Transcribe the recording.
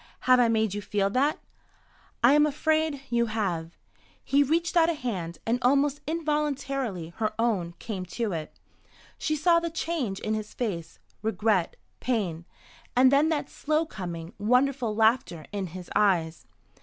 Have I made you feel that?" "I am afraid you have." He reached out a hand, and almost involuntarily her own came to it. She saw the change in his face, regret, pain, and then that slow coming, wonderful laughter in his eyes.